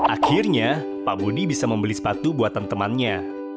akhirnya pak budi bisa membeli sepatu buatan temannya